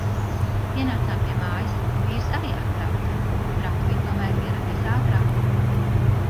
Pienācām pie mājas un vīrs arī atbrauca. Draugs bija tomēr ieradies ātrāk.